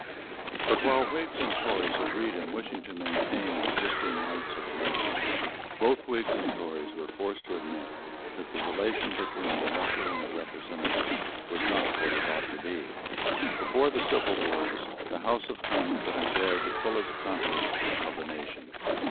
But, while Whigs and Tories agreed in wishing to maintain the existing rights of election, both Whigs and Tories were forced to admit that the relation between the elector and the representative was not what it ought to be. Before the civil wars the House of Commons had enjoyed the fullest confidence of the nation.